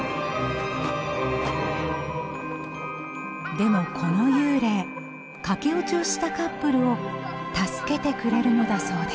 でもこの幽霊駆け落ちをしたカップルを助けてくれるのだそうです。